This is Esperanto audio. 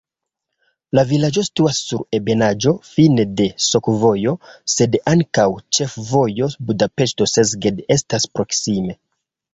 La vilaĝo situas sur ebenaĵo, fine de sakovojo, sed ankaŭ ĉefvojo Budapeŝto-Szeged estas proksime.